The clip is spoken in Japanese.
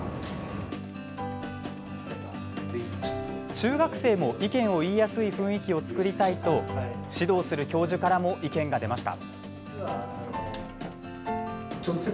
中学生も意見を言いやすい雰囲気を作りたいと指導する教授からも意見が出ました。